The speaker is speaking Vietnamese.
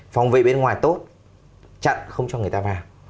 phòng vệ bên ngoài tốt chặn không cho người ta vào